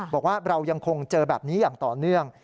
บอกว่าเรายังคงเจอแบบนี้อย่างต่อเนื่อง